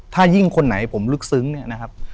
ถ้ายิ่งคนไหนผมลึกซึ้งเนี่ยนะครับ